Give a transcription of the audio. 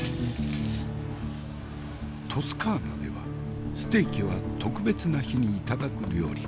トスカーナではステーキは特別な日に頂く料理。